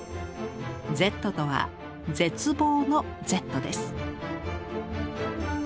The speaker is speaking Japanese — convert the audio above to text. Ｚとは絶望のＺです。